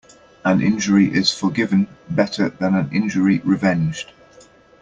An injury is forgiven better than an injury revenged.